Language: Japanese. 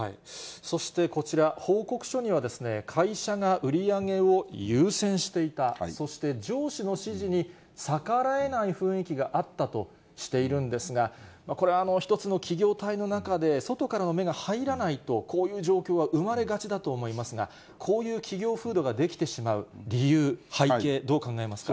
そして、こちら、報告書には、会社が売り上げを優先していた、そして、上司の指示に逆らえない雰囲気があったとしているんですが、これは１つの企業体の中で、外からの目が入らないと、こういう状況は生まれがちだと思いますが、こういう企業風土が出来てしまう理由、背景、どう考えますか。